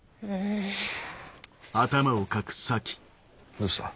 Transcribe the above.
どうした？